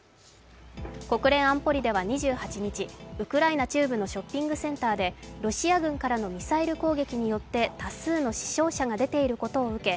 国連安保理では２８日、ウクライナ中部のショッピングセンターでロシア軍からのミサイル攻撃によって多数の死傷者が出ていることを受け